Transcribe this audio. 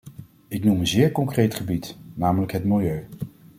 Ik noem een zeer concreet gebied, namelijk het milieu.